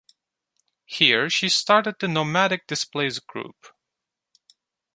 Here she started the Nomadic Displays Group.